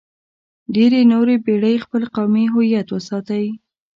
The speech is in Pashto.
ډېرې نورې پېړۍ خپل قومي هویت وساتئ.